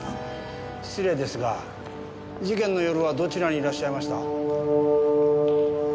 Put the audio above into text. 失礼ですが事件の夜はどちらにいらっしゃいました？